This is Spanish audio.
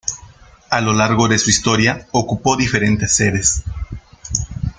A lo largo de su historia ocupó diferentes sedes.